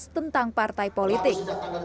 tentang partai politik